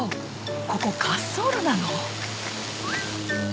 ここ滑走路なの？